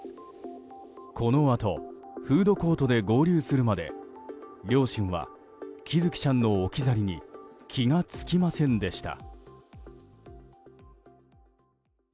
このあと、フードコートで合流するまで両親は喜寿生ちゃんの置き去りに気が付きませんでした。